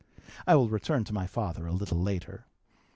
I will return to my father a little later.